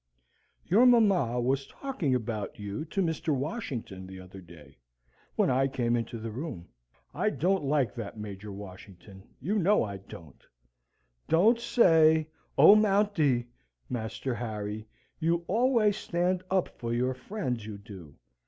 Your mamma was talking about you to Mr. Washington the other day, when I came into the room. I don't like that Major Washington, you know I don't. Don't say O Mounty! Master Harry. You always stand up for your friends, you do.